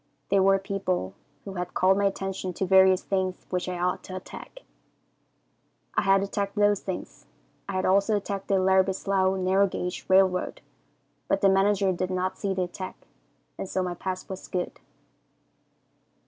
They were people who had called my attention to various things which I ought to attack. I had attacked those things. I had also attacked the Larrabie Slough Narrow Gauge Railroad, but the manager did not see the attack, and so my pass was good.